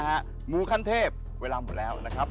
หมูขั้นเทพเวลาหมดแล้วนะครับ